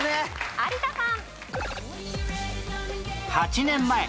有田さん。